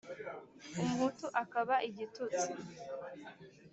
umuhutu akaba igitutsi